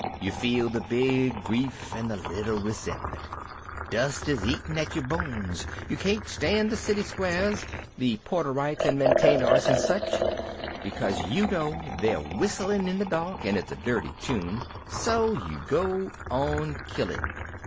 You feel the Big Grief and the Big Resentment, the dust is eating at your bones, you can't stand the city squares the Porterites and Mantenors and such because you know they're whistling in the dark and it's a dirty tune, so you go on killing.